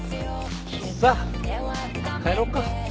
さあ帰ろうか。